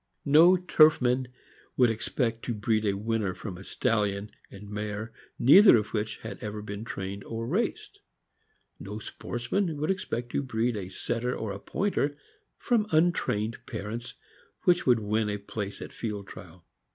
No turfman would expect to breed a winner from a THE FOXHOUND. 197 stallion and mare neither of which had ever been trained or raced. No sportsman would expect to breed a Setter or Pointer from untrained parents which would win a place at a field trial.